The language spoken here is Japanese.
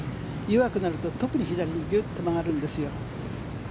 弱くなると特に左にギュッと曲がるんですよ。